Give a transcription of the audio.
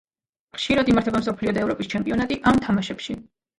ხშირად იმართება მსოფლიო და ევროპის ჩემპიონატი ამ თამაშებში.